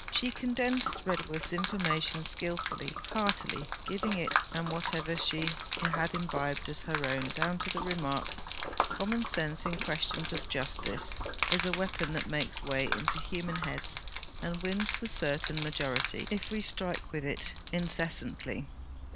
She condensed Redworth's information skilfully, heartily giving it and whatever she had imbibed, as her own, down to the remark: 'Common sense in questions of justice, is a weapon that makes way into human heads and wins the certain majority, if we strike with it incessantly.'